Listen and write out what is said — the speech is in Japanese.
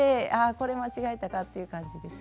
これ間違えたかっていう感じです。